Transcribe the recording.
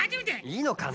いいのかな。